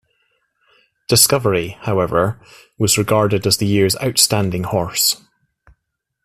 Discovery, however, was regarded as the year's outstanding horse.